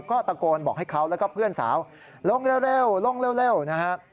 ก็ตะโกนบอกให้เขาแล้วก็เพื่อนสาวลงเร็วลงเร็วนะฮะ